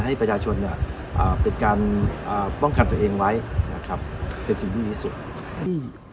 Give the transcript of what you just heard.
ให้ประชาชนเป็นการป้องกันตัวเองไว้นะครับเป็นสิ่งดีที่สุด